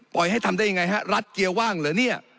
ให้ทำได้ยังไงฮะรัฐเกียร์ว่างเหรอเนี่ย